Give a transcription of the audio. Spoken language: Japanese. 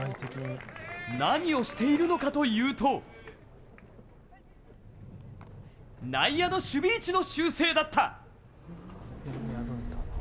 何をしているのかというと内野の守備位置の修正だった。